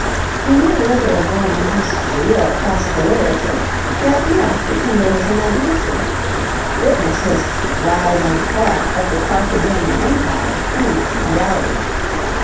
He knew little of Roman history or classical literature, yet enough to kindle his imagination; witness his 'Rise and Fall of the Carthaginian Empire' in the National Gallery.